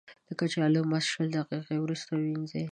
د کچالو ماسک شل دقیقې وروسته ووينځئ.